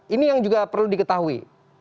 ini yang juga perlu diketahui